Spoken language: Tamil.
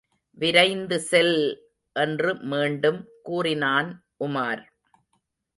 விரைந்து செல்! என்று மீண்டும் கூறினான் உமார்.